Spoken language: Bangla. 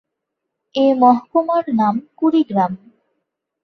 এ মহকুমার নাম 'কুড়িগ্রাম'।